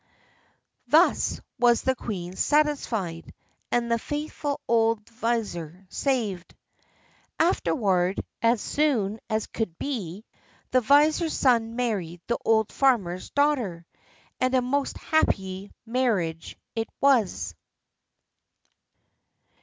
Thus was the queen satisfied, and the faithful old vizier saved. Afterward, as soon as could be, the vizier's son married the old farmer's daughter; and a most happy marriage it was.